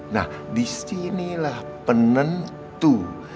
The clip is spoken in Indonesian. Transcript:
nah disinilah penentu